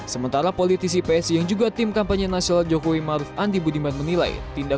sementara politisi psi yang juga tim kampanye nasional jokowi maruf andi budiman menilai tindakan